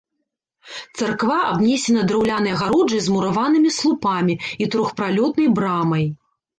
Царква абнесена драўлянай агароджай з мураванымі слупамі і трохпралётнай брамай.